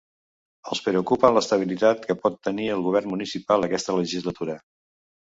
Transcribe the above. Els preocupa l’estabilitat que pot tenir el govern municipal aquesta legislatura.